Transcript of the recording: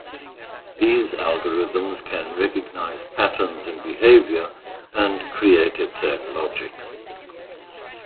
These algorithms can recognize patterns in behavior and create its own logic.